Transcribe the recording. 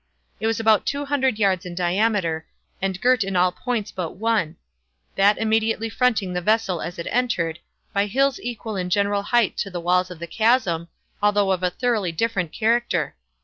It was about two hundred yards in diameter, and girt in at all points but one—that immediately fronting the vessel as it entered—by hills equal in general height to the walls of the chasm, although of a thoroughly different character.